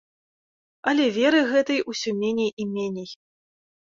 Але веры гэтай усё меней і меней.